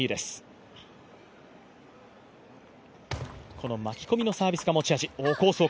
この巻き込みのサービスが持ち味。